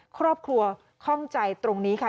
ครอบครัวข้องใจตรงนี้ค่ะ